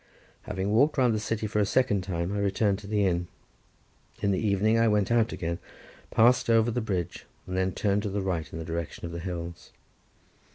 Having walked round the city for the second time, I returned to the inn. In the evening I went out again, passed over the bridge, and then turned to the right in the direction of the hills.